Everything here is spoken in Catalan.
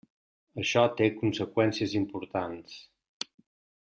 Això té conseqüències importants.